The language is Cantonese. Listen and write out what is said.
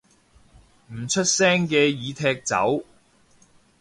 唔出聲嘅已踢走